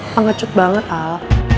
pengecut banget al